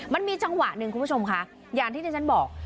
มันมีจังหวะหนึ่งคุณผู้ชมค่ะอย่างที่ที่ฉันบอก